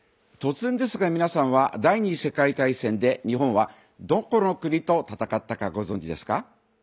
突然ですが皆さんは第２次世界大戦で日本はどこの国と戦ったかご存じですか？